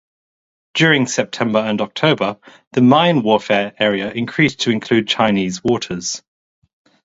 During September and October, the mine warfare area increased to include Chinese waters.